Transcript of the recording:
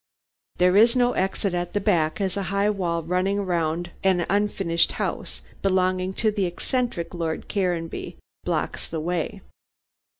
There is no exit at the back, as a high wall running round an unfinished house belonging to the eccentric Lord Caranby blocks the way.